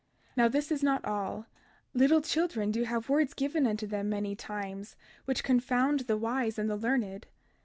Now this is not all; little children do have words given unto them many times which confound the wise and the learned.